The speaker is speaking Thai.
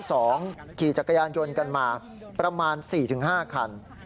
ขี่จักรยานยนต์กันมาประมาณ๔๕คัน